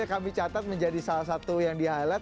kami catat menjadi salah satu yang di highlight